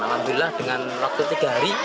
alhamdulillah dengan waktu tiga hari